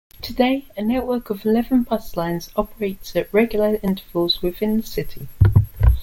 Today, a network of eleven bus lines operates at regular intervals within the city.